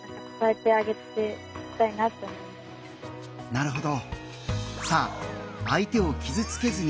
なるほど。